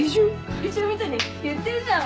怪獣みたいに言ってるじゃん。